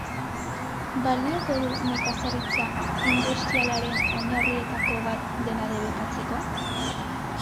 Balioko du nekazaritza industrialaren oinarrietako bat dena debekatzeko?